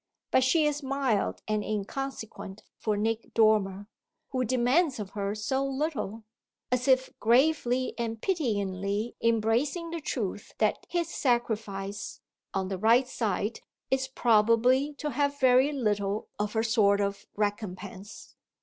But she is mild and inconsequent for Nick Dormer (who demands of her so little); as if gravely and pityingly embracing the truth that his sacrifice, on the right side, is probably to have very little of her sort of recompense.